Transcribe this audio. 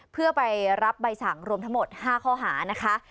เพื่อไปรับใบสั่งรวมทั้งหมด๕ข้อหานะคะ